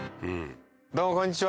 どうもこんにちは。